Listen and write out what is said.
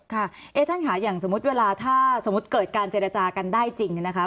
ท่านค่ะอย่างสมมติเวลาถ้าเกิดการเจรจากันได้จริงนะคะ